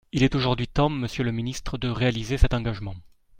Il est aujourd’hui temps, monsieur le ministre, de réaliser cet engagement.